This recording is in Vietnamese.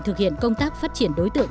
thực hiện công tác phát triển đối tượng